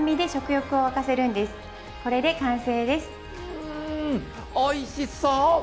うんおいしそう！